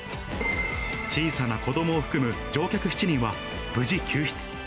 小さな子どもを含む乗客７人は無事救出。